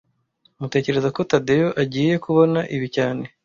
Tmutekereza ko Tadeyo agiye kubona ibi cyane